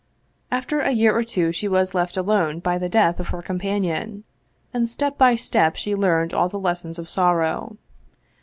After a year or two she was left alone by the death of her companion, and step by step she learned all the les sons of sorrow.